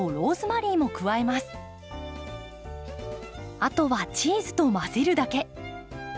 あとはチーズと混ぜるだけ。